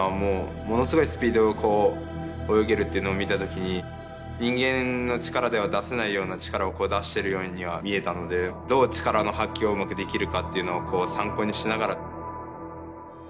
っていうのを見た時に人間の力では出せないような力を出してるようには見えたのでどう力の発揮をうまくできるかっていうのを参考にしながら。